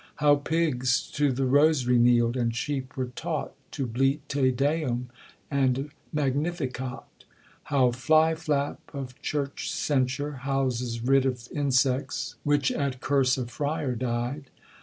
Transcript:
How pigs to th' rosary kneel'd, and sheep were taught To bleat Te Deum and Magnificat; How fly flap, of church censure houses rid Of insects, which at curse of fryar died.